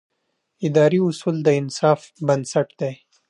اداري اصول د انصاف بنسټ دی.